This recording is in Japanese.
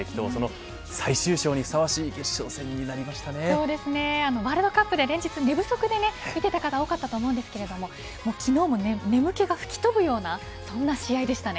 およそ１カ月に及ぶ激闘その最終章にふさわしいワールドカップで寝不足で見ていた方が多かったと思うんですが昨日も眠気が吹き飛ぶようなそんな試合でしたね。